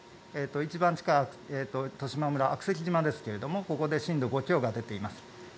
一番近い十島村悪石島ですけどここで震度５強が出ています。